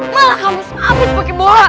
malah kamu sampe sepakai boha